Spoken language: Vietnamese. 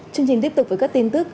chương trình tiếp tục với các tin tức